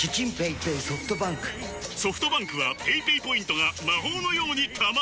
ソフトバンクはペイペイポイントが魔法のように貯まる！